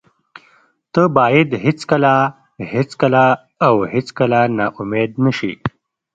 ته باید هېڅکله، هېڅکله او هېڅکله نا امید نشې.